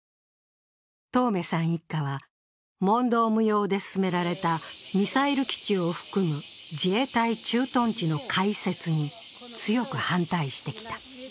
当銘さん一家は問答無用で進められたミサイル基地を含む自衛隊駐屯地の開設に強く反対してきた。